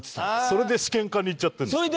それで試験官にいっちゃってるんですか？